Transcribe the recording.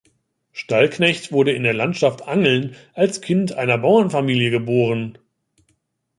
Stallknecht wurde in der Landschaft Angeln als Kind einer Bauernfamilie geboren.